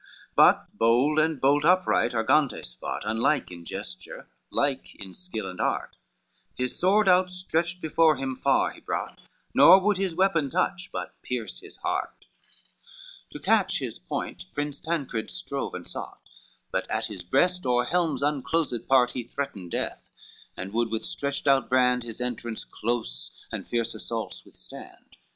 XII But bold and bolt upright Argantes fought, Unlike in gesture, like in skill and art, His sword outstretched before him far he brought, Nor would his weapon touch, but pierce his heart, To catch his point Prince Tancred strove and sought, But at his breast or helm's unclosed part He threatened death, and would with stretched out brand His entrance close, and fierce assaults withstand.